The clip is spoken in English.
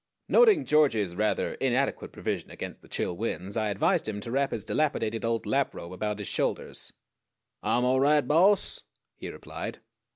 Noting George's rather inadequate provision against the chill winds, I advised him to wrap his dilapidated old lap robe about his shoulders. "Ah'm all right, Boss," he replied.